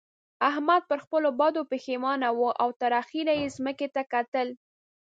احمد پر خپلو بدو پېښمانه وو او تر اخېره يې ځمکې ته کتل.